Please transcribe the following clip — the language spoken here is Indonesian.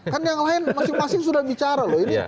kan yang lain masing masing sudah bicara loh